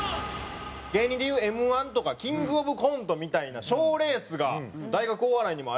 芸人でいうＭ−１とかキングオブコントみたいな賞レースが大学お笑いにもありまして。